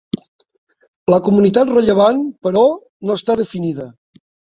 La comunitat rellevant, però, no està definida.